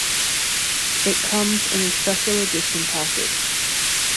It comes in a special edition package.